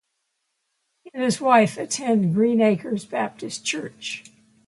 He and his wife attend Green Acres Baptist Church.